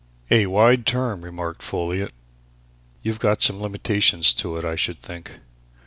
"A wide term!" remarked Folliot. "You've got some limitation to it, I should think.